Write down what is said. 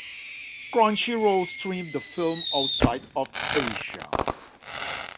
Crunchyroll streamed the film outside of Asia.